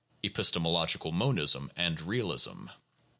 (Epistemological Monism and Realism.)